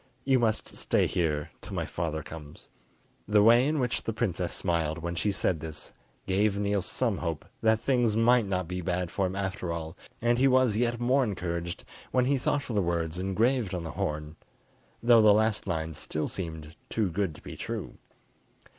"You must stay here till my father comes." The way in which the princess smiled when she said this gave Niels some hope that things might not be bad for him after all, and he was yet more encouraged when he thought of the words engraver on the horn, though the last line still seemed too good to be true.